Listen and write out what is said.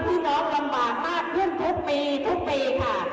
พี่น้องลำบากมากเพื่อนทุกปีทุกปีค่ะ